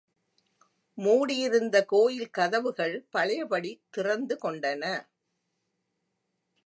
மூடியிருந்த கோயில் கதவுகள் பழையபடி திறந்து கொண்டன.